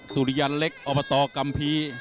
สุริยันต์เล็กอกัมพี